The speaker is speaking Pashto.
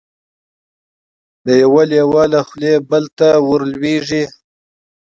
د یوه لېوه له خولې بل ته ور لوېږي